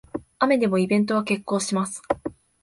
雨でもイベントは決行します